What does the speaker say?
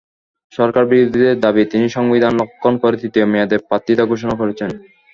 সরকারবিরোধীদের দাবি, তিনি সংবিধান লঙ্ঘন করে তৃতীয় মেয়াদে প্রার্থিতা ঘোষণা করেছেন।